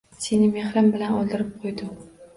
Seni mehrim bilan o‘ldirib qo‘ydim.